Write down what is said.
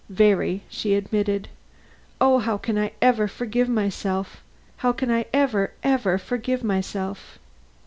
"Very," she admitted. "Oh, how can I ever forgive myself! how can I ever, ever forgive myself!"